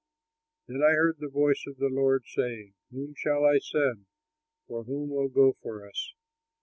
Then I heard the voice of the Lord, saying: "Whom shall I send, And who will go for us?"